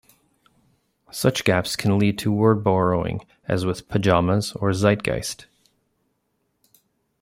Such gaps can lead to word borrowing, as with pajamas or Zeitgeist.